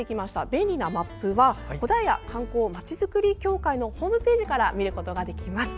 便利なマップはこだいら観光まちづくり協会のホームページから見ることができます。